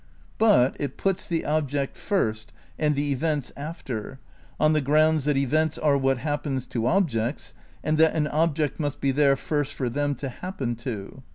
But it puts the object first and the events after, on the grounds that events are what happens to objects and that an object must be there first for them to happen to.